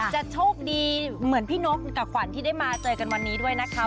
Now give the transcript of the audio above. จะโชคดีเหมือนพี่นกกับขวัญที่ได้มาเจอกันวันนี้ด้วยนะคะ